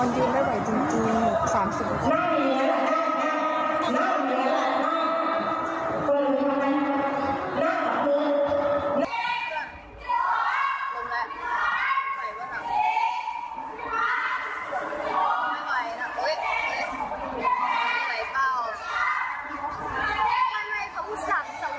เดินไปไกลเปล่า